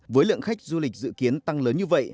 với lượng khách du lịch dự kiến tăng lớn như vậy